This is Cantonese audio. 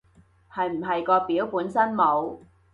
係唔係個表本身冇